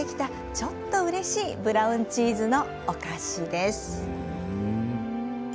ちょっとうれしいブラウンチーズのお菓子です。